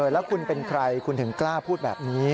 แล้วคุณเป็นใครคุณถึงกล้าพูดแบบนี้